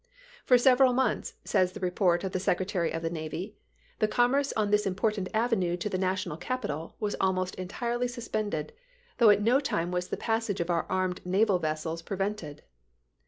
"For several months," says the report of the Secretary of the Navy, " the com merce on this important avenue to the national capital was almost entirely suspended, though at no time was the passage of our armed naval vessels prevented."